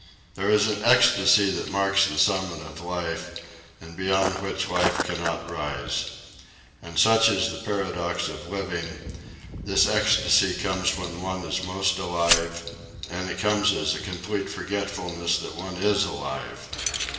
There is an ecstasy that marks the summit of life, and beyond which life cannot rise. And such is the paradox of living, this ecstasy comes when one is most alive, and it comes as a complete forgetfulness that one is alive.